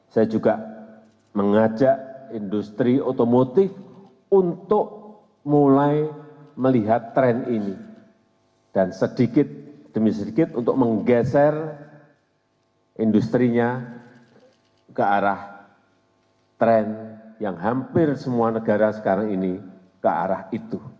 saya juga mengajak industri otomotif untuk mulai melihat tren ini dan sedikit demi sedikit untuk menggeser industri nya ke arah tren yang hampir semua negara sekarang ini ke arah itu